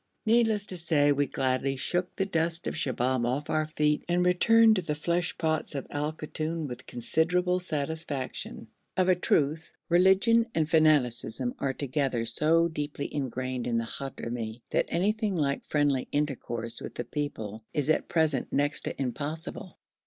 Needless to say we gladly shook the dust of Shibahm off our feet, and returned to the flesh pots of Al Koton with considerable satisfaction. Of a truth, religion and fanaticism are together so deeply engrained in the Hadhrami, that anything like friendly intercourse with the people is at present next to impossible.